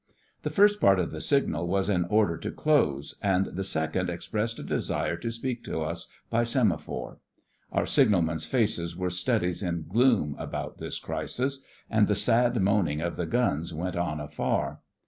The first part of the signal was an order to close, and the second expressed a desire to speak to us by semaphore. (Our signalmen's faces were studies in gloom about this crisis; and the sad moaning of the guns went on afar.)